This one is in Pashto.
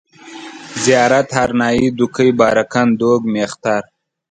زيارت، هرنايي، دوکۍ، بارکن، دوگ، مېختر